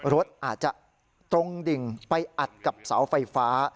รถอาจจะตรงดิ่งไปอัดกับเสาไฟฟ้า